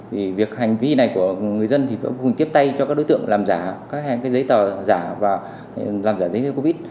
việc hành vi này của người dân thì phải tiếp tay cho các đối tượng làm giả giấy tờ và làm giả giấy covid